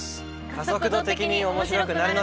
加速度的に面白くなるので。